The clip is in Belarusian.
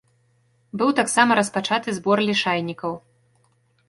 Быў таксама распачаты збор лішайнікаў.